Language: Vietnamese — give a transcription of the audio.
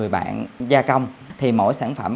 một mươi bạn gia công thì mỗi sản phẩm